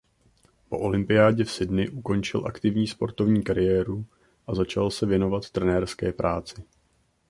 Po olympiádě v Sydney ukončil aktivní sportovní kariéru a začal se věnovat trenérské práci.